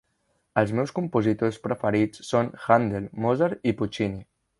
Els meus compositors preferits són Handel, Mozart i Puccini